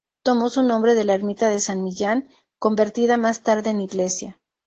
Tomó su nombre de la ermita de San Millán convertida más tarde en iglesia.